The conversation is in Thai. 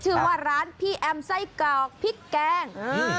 ชื่อว่าร้านพี่แอมไส้กรอกพริกแกง